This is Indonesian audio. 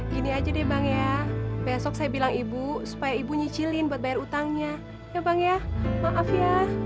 gini aja deh bang ya besok saya bilang ibu supaya ibu nyicilin buat bayar utangnya ya bang ya maaf ya